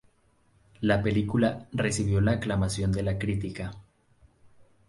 La película recibió la aclamación de la crítica.